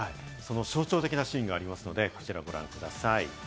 象徴的なシーンがありますので、こちらをご覧ください。